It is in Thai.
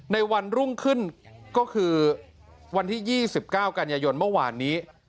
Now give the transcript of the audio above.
ในวันรุ่งขึ้นก็คือวันที่๒๙กันยายนเมื่อวานนี้